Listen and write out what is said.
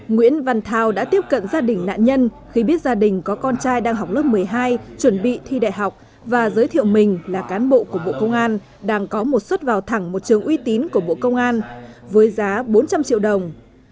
nguyễn văn thao đã tiếp cận gia đình nạn nhân khi biết gia đình có con trai đang học lớp một mươi hai chuẩn bị thi đại học và giới thiệu mình là cán bộ của bộ công an đang có một suất vào thẳng một trường uy tín của bộ công an với giá bốn trăm linh triệu đồng